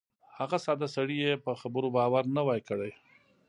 هغه ساده سړي یې په خبرو باور نه وای کړی.